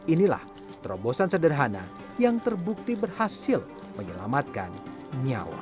inilah terobosan sederhana yang terbukti berhasil menyelamatkan nyawa